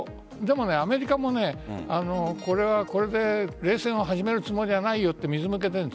アメリカも、これはこれで冷戦を始めるつもりではないよと水を向けている。